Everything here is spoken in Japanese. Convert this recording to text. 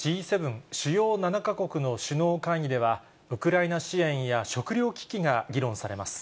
主要７か国の首脳会議では、ウクライナ支援や食糧危機が議論されます。